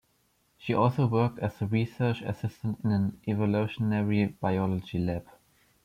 She also worked as a research assistant in an evolutionary biology lab.